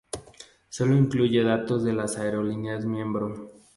Sólo incluye datos de las aerolíneas miembro.